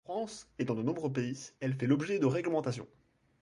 En France, et dans de nombreux pays, elle fait l’objet de réglementations.